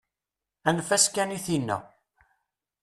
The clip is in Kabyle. Anef-as kan i tinna.